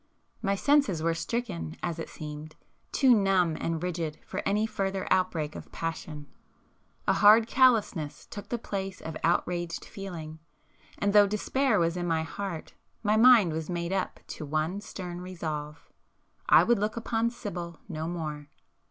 My senses were stricken, as it seemed, too numb and rigid for any further outbreak of passion. A hard callousness took the place of outraged feeling; and though despair was in my heart, my mind was made up to one stern resolve,—I would look upon Sibyl no more.